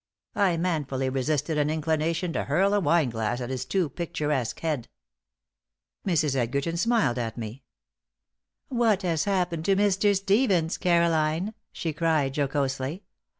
I manfully resisted an inclination to hurl a wine glass at his too picturesque head. Mrs. Edgerton smiled at me. "What has happened to Mr. Stevens, Caroline?" she cried, jocosely.